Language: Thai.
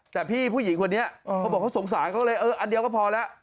แต่พี่ผู้หญิงคนนี้เขาบอกเขาสงสารเขาเลยเอออันเดียวก็พอแล้ว